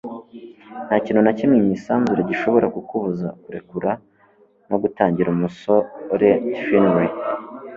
nta kintu na kimwe mu isanzure gishobora kukubuza kurekura no gutangira - umusore finley